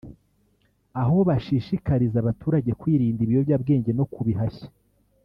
aho bashishikariza abaturage kwirinda ibiyobyabwenge no kubihashya